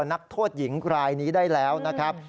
นักโทษหญิงรายนี้ได้แล้วนะครับ